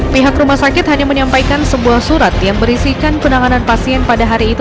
pihak rumah sakit hanya menyampaikan sebuah surat yang berisikan penanganan pasien pada hari itu